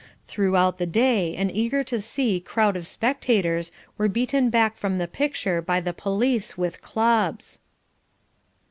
Throughout the day an eager to see crowd of spectators were beaten back from the picture by the police with clubs.